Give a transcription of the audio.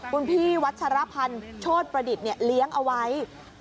คุณพี่วัชรพันธ์โชธประดิษฐ์เลี้ยงเอาไว้